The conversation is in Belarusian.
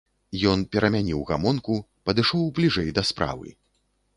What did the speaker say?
Ён перамяніў гамонку, падышоў бліжэй да справы.